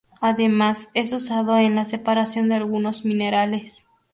Además es usado en la separación de algunos minerales.